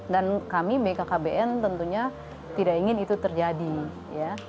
dan kami bkkbn tentunya tidak ingin itu terjadi ya